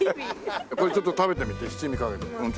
これちょっと食べてみて七味かけて。